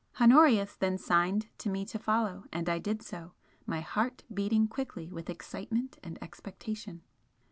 Honorius then signed to me to follow, and I did so, my heart beating quickly with excitement and expectation.